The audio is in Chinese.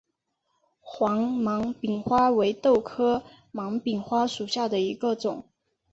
黄芒柄花为豆科芒柄花属下的一个种。